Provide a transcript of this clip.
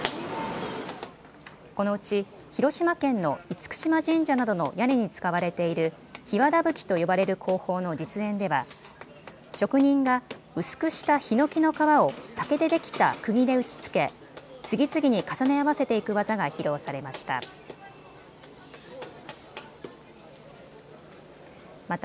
このうち広島県の厳島神社などの屋根に使われている檜皮葺と呼ばれる工法の実演では職人が薄くしたひのきの皮を竹でできたくぎで打ちつけ、次々に重ね合わせていく技が披露されました。